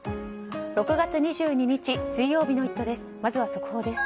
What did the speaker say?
６月２２日、水曜日の「イット！」です。